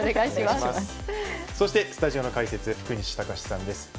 そして、スタジオの解説福西崇史さんです。